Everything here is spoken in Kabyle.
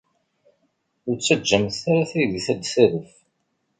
Ur ttaǧǧamt ara taydit ad d-tadef.